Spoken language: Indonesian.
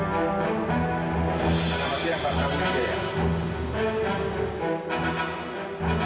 tapi kalau dia tak tahu mas iksan dia akan